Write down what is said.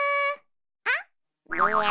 あっ！